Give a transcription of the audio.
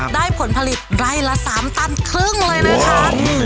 ได้ผลผลิตไร่ละสามตันครึ่งเลยนะคะโอ้โห